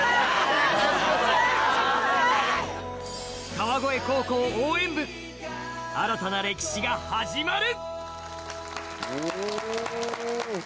川越高校応援部新たな歴史が始まる！